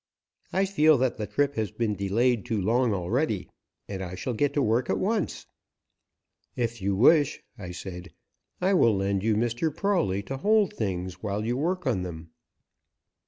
I feel that the trip has been delayed too long already, and I shall get to work at once." "If you wish," I said, "I will lend you Mr. Prawley to hold things while you work on them."